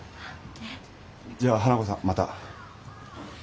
ええ。じゃあ花子さんまた。